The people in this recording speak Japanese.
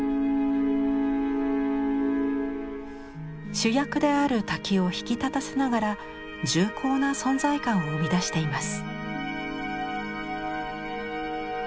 主役である滝を引き立たせながら重厚な存在感を生み出しています。